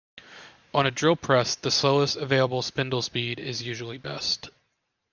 On a drill press, the slowest available spindle speed is usually best.